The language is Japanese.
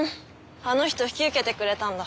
あの人引き受けてくれたんだ。